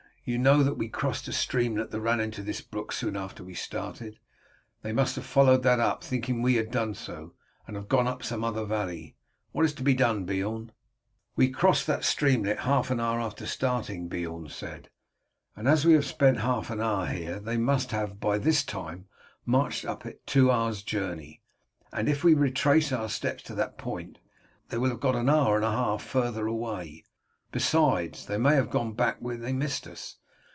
"You know that we crossed a streamlet that ran into this brook soon after we started. They must have followed that up, thinking we had done so, and have gone up some other valley. What is to be done, Beorn?" "We crossed that streamlet half an hour after starting," Beorn said, "and as we have spent half an hour here they must have by this time marched up it two hours' journey, and if we retrace our steps to that point they will have got an hour and a half farther away; besides, they may have gone back when they missed us.